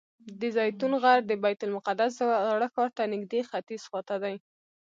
د زیتون غر د بیت المقدس زاړه ښار ته نږدې ختیځ خوا ته دی.